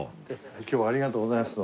今日はありがとうございます。